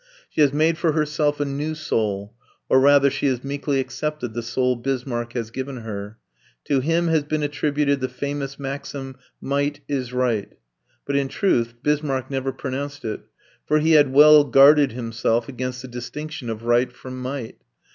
She has made for herself a new soul, or rather she has meekly accepted the soul Bismarck has given her. To him has been attributed the famous maxim "Might is right." But in truth Bismarck never pronounced it, for he had well guarded himself against a distinction of right from might.